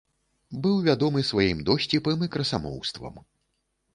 Быў вядомы сваім досціпам і красамоўствам.